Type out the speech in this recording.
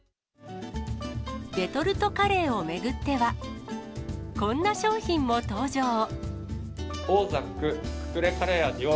レトルトカレーを巡っては、こんな商品も登場。